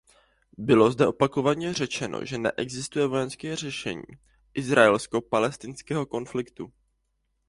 Bylo zde opakovaně řečeno, že neexistuje vojenské řešení izraelsko-palestinského konfliktu.